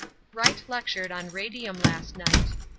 Wright lectured on radium last night.